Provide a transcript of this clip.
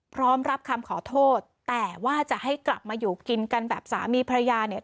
พร้อมรับคำขอโทษแต่ว่าจะให้กลับมาอยู่กินกันแบบสามีภรรยาเนี่ย